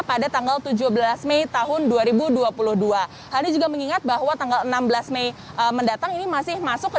pada tanggal tujuh belas mei tahun dua ribu dua puluh dua hal ini juga mengingat bahwa tanggal enam belas mei mendatang ini masih masuk ke